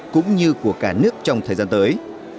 của cả nước trong thời gian tới